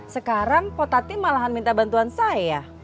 sekarang kok tati malahan minta bantuan saya